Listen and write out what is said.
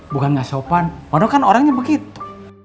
bukan ngasopan padahal kan orangnya begitu